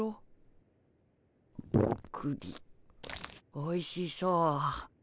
おいしそう。